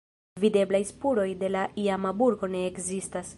Videblaj spuroj de la iama burgo ne ekzistas.